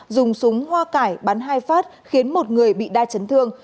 dùng súng hoa cải bắn hai phát khiến một người bị đa chấn thương